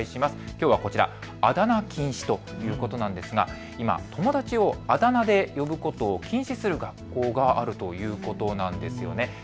きょうはこちら、あだ名禁止ということなんですが、今、友達をあだ名で呼ぶことを禁止する学校があるということなんですよね。